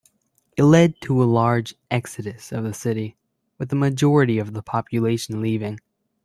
It led to a large exodus of the city, with a majority of the population leaving.